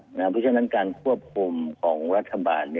เพราะฉะนั้นการควบคุมของรัฐบาล